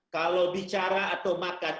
kalau bicara atau makan